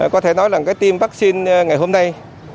có thể nói là cái tiêm vaccine ngày hôm nay